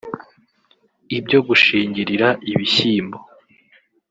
ibyo gushingirira ibishyimbo